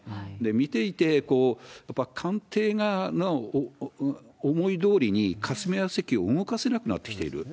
見ていて、やっぱ官邸の思いどおりに霞が関を動かせなくなってきている。